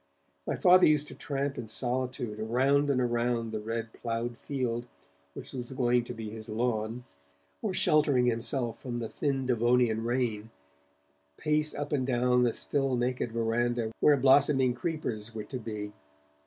My Father used to tramp in solitude around and around the red ploughed field which was going to be his lawn, or sheltering himself from the thin Devonian rain, pace up and down the still naked verandah where blossoming creepers were to be.